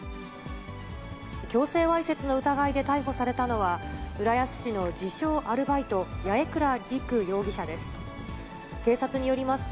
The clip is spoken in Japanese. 強制わいせつの疑いで逮捕されたのは、浦安市の自称アルバイト、八重倉陸容疑者です。